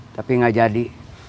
tapi tidak jadi